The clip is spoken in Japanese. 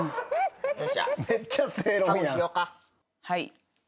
はい。